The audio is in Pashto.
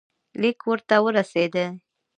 لیک ورته ورسېدی.